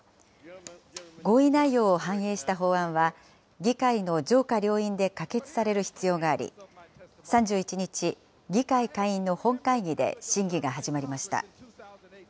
合意内容を反映した法案は議会の上下両院で可決される必要があり、３１日、議会下院の本会議で審議が始まりました。